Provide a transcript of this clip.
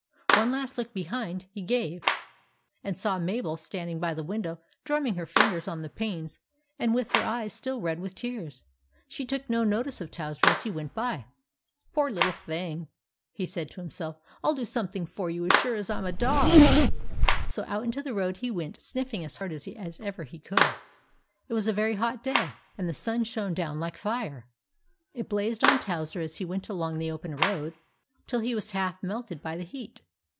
One last look behind he gave, and saw Mabel standing by the window drumming with her fingers on the panes and with her eyes still red with tears. She took no notice of Towser as he went by. " Poor little thing !" said he to himself, " I '11 do something for you as sure as I 'm a dog !" So out into the road he went, sniffing as hard as ever he could. It was a very hot day, and the sun shone down like fire. It blazed on Towser as he went along the open road, till he was half melted by the heat.